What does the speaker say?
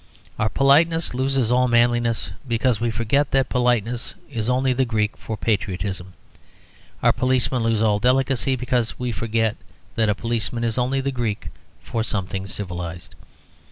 Our politeness loses all manliness because we forget that politeness is only the Greek for patriotism. Our policemen lose all delicacy because we forget that a policeman is only the Greek for something civilised.